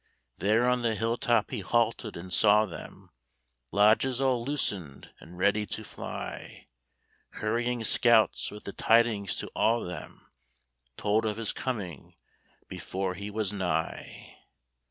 There on the hilltop he halted and saw them, Lodges all loosened and ready to fly; Hurrying scouts with the tidings to awe them, Told of his coming before he was nigh.